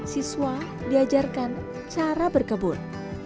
siswa diajarkan cara berkebun